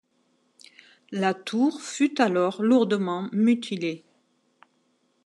La tour fut alors lourdement mutilée.